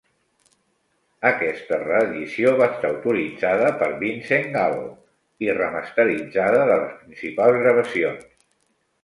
Aquesta reedició va estar autoritzada per Vincent Gallo i remasteritzada de les principals gravacions.